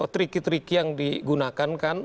triki tricky yang digunakan kan